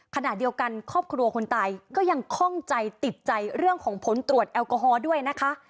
ขณะเดียวกันครอบครัวคนตายก็ยังคล่องใจติดใจเรื่องของผลตรวจแอลกอฮอล์ด้วยนะคะ